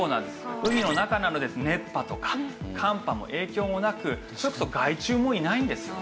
海の中なので熱波とか寒波も影響もなくそれこそ害虫もいないんですよね。